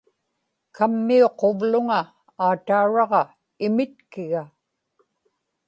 kammiuquvluŋa aatauraġa imitkiga